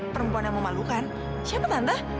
perempuan yang memalukan siapa menambah